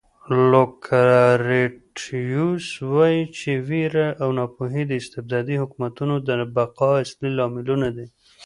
لوکریټیوس وایي چې وېره او ناپوهي د استبدادي حکومتونو د بقا اصلي لاملونه دي.